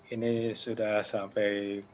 ini sudah sampai